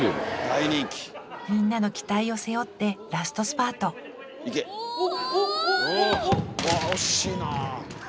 みんなの期待を背負ってラストスパートうわ惜しいなあ。